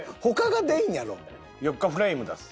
ヨガフレイム出す。